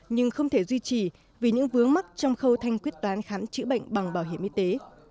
nhưng không thể duy trì vì những vướng mắc trong khâu thanh quyết toán khám chữa bệnh bằng bảo hiểm y tế